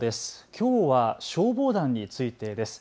きょうは消防団についてです。